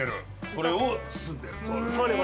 これを包んでる？